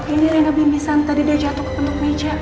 ini rena mimisan tadi dia jatuh ke bentuk meja